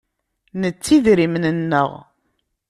Nettu idrimen-nneɣ.